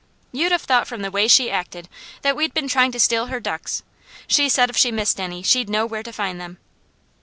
"You'd have thought from the way she acted, that we'd been trying to steal her ducks. She said if she missed any she'd know where to find them."